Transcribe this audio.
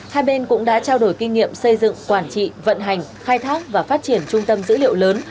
hai bên cũng đã trao đổi kinh nghiệm xây dựng quản trị vận hành khai thác và phát triển trung tâm dữ liệu lớn